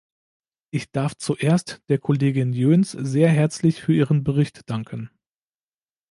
Ich darf zuerst der Kollegin Jöns sehr herzlich für ihren Bericht danken.